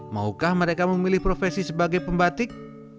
maukah mereka memilih profesi sebagai pembatik